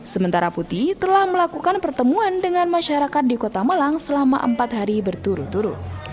sementara putih telah melakukan pertemuan dengan masyarakat di kota malang selama empat hari berturut turut